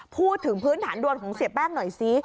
พูดถึงพื้นฐานดวนของเสียแป้งหน่อยซิ